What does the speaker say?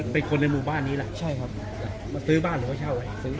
เป็นคนในหมู่บ้านนี้แหละจั๊ยครับซื้อบ้านหรือว่าเช่า